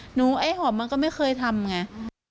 ไอ้หอมมันก็ไม่เคยทำไง